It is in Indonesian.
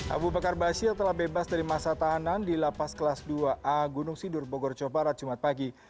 abu bakar basir telah bebas dari masa tahanan di lapas kelas dua a gunung sidur bogor jawa barat jumat pagi